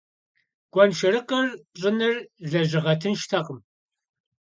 Гуэншэрыкъыр пщӀыныр лэжьыгъэ тынштэкъым.